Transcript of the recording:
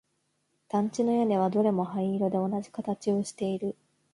団地の屋根はどれも灰色で同じ形をしている